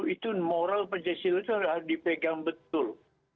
itu moral pancasila itu harus dipegang betul